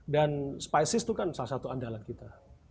dan spices itu kan salah satu andalan kita